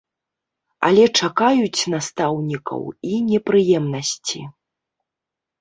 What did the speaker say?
Але чакаюць настаўнікаў і непрыемнасці.